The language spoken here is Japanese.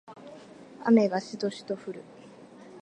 雨がしとしと降る